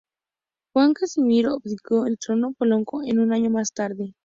Juan Casimiro abdicó al trono polaco un año más tarde.